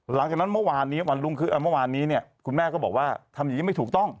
หลังจากนั้นเมื่อวานนี้วันรุ่งขึ้นเมื่อวานนี้เนี่ยคุณแม่ก็บอกว่าทำอย่างนี้ไม่ถูกต้อง